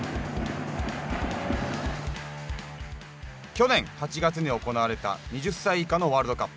去年８月に行われた２０歳以下のワールドカップ。